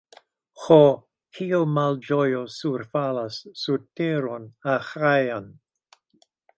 Ho, kia malĝojo surfalas sur teron Aĥajan!